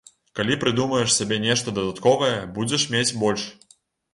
Калі прыдумаеш сабе нешта дадатковае, будзеш мець больш.